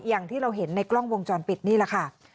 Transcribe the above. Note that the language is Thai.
อย่างที่เราเห็นในกล้องวงจรปิดนี่แหละค่ะ